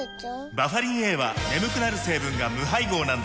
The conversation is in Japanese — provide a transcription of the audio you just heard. バファリンＡは眠くなる成分が無配合なんです